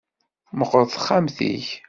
Meqqret texxamt-ik.